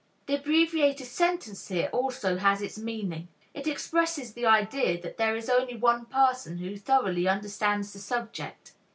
The abbreviated sentence here also has its meaning: it expresses the idea that there is only one person who thoroughly understands the subject.